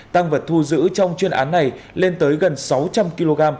tăng vật thu giữ trong chuyên án này lên tới gần sáu trăm linh kg